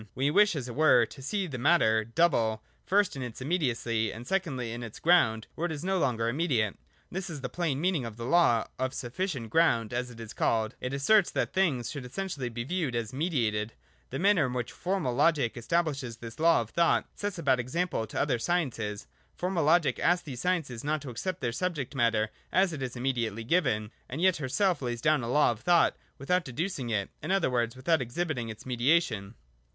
We wish, as it were, to see the matter double, first in its immediacy, and secondly in its ground, where it is no longer immediate. This is the plain meaning of the law of sufficient ground, as it is called ; it asserts that things should essentially be viewed as mediated. The manner in which Formal Logic establishes this law of thought, sets a bad example to other sciences. Formal Logic asks these sciences not to accept their subject matter as it is immediately given ; and yet herself lays down a law of thought without deducing it, — in other words, without exhibiting its mediation.